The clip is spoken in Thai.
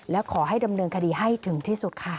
และขอให้ดำเนินคดีให้ถึงที่สุดค่ะ